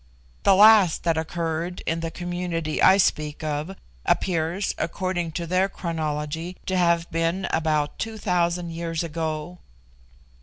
The last that occurred in the community I speak of appears (according to their chronology) to have been about two thousand years ago.